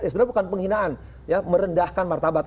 sebenarnya bukan penghinaan ya merendahkan martabat